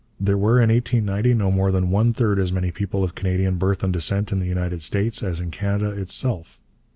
There were in 1890 more than one third as many people of Canadian birth and descent in the United States as in Canada itself.